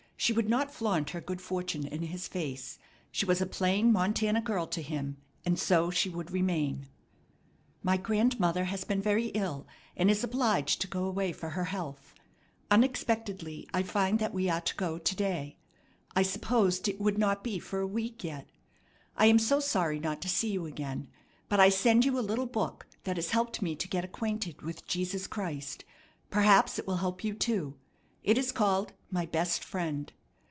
She would not flaunt her good fortune in his face. She was a plain Montana girl to him, and so she would remain. "My grandmother has been very ill, and is obliged to go away for her health. Unexpectedly I find that we are to go to day. I supposed it would not be for a week yet. I am so sorry not to see you again, but I send you a little book that has helped me to get acquainted with Jesus Christ. Perhaps it will help you too. It is called 'My Best Friend.'